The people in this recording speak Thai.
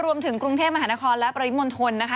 รวมถึงกรุงเทพมหานครและปริมณฑลนะคะ